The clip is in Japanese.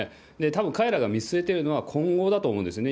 たぶん彼らが見据えているのは、今後だと思うんですね。